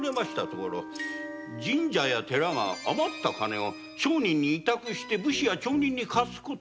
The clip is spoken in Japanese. ところ神社や寺が余った金を商人に託し武士や町人に貸す事もある。